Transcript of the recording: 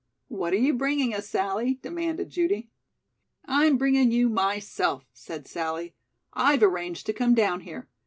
"What are you bringing us, Sallie?" demanded Judy. "I'm bringing you myself," said Sallie. "I've arranged to come down here.